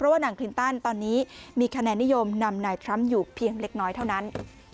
ว่านางคลินตันตอนนี้มีคะแนนนิยมนำนายทรัมป์อยู่เพียงเล็กน้อยเท่านั้น